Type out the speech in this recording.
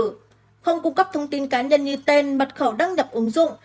không cung cấp thông tin cá nhân như tên mật khẩu đăng nhập ứng dụng